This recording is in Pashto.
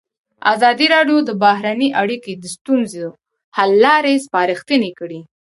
ازادي راډیو د بهرنۍ اړیکې د ستونزو حل لارې سپارښتنې کړي.